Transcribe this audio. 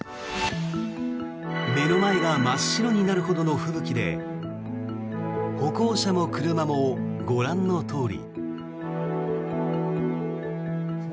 目の前が真っ白になるほどの吹雪で歩行者も車もご覧のとおり。